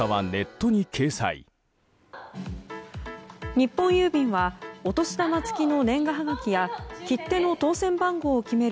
日本郵便はお年玉付きの年賀はがきや切手の当せん番号を決める